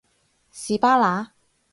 士巴拿